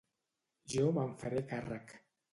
Jo me'n faré càrrec.